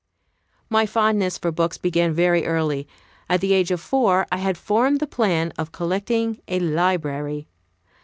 My fondness for books began very early. At the age of four I had formed the plan of collecting a library.